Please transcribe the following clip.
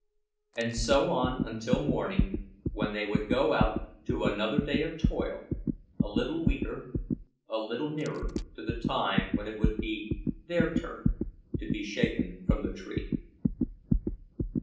And so on until morning—when they would go out to another day of toil, a little weaker, a little nearer to the time when it would be their turn to be shaken from the tree.